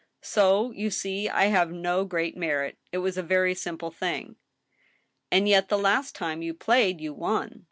So, you see, I have no great merit. It was a very simple thing." " And yet, the last time you played you won.